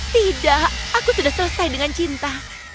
tidak aku sudah selesai dengan cinta